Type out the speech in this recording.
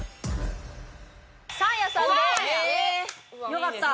よかった。